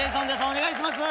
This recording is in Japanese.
お願いします。